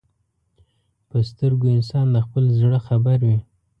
په سترګو انسان د خپل زړه خبر وي